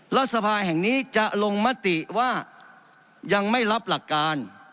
รัฐสภาแห่งนี้จะลงมติว่ายังไม่รับหลักการ